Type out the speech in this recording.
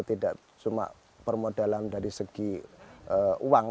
tidak cuma permodalan dari segi uang